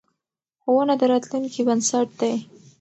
ښوونه د راتلونکې بنسټ دی.